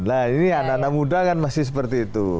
nah ini anak anak muda kan masih seperti itu